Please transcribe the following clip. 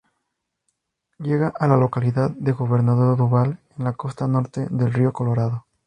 Llega a la localidad de Gobernador Duval en la costa norte del Río Colorado.